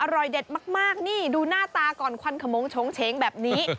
อร่อยเด็ดมากนี่ดูหน้าตาก่อนควันขมงโฉงเฉงแบบนี้